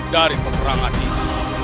dari peperangan ini